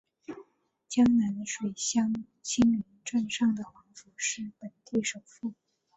江南水乡青云镇上的黄府是本地首富。